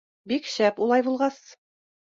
— Бик шәп улай булғас.